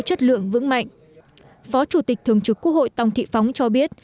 chất lượng vững mạnh phó chủ tịch thường trực quốc hội tòng thị phóng cho biết